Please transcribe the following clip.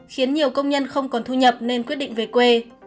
khiến nhiều công nhân không còn thu nhập nên quyết định về quê